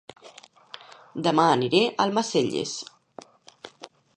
Dema aniré a Almacelles